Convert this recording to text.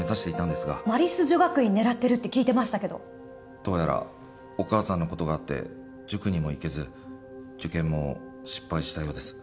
どうやらお母さんの事があって塾にも行けず受験も失敗したようです。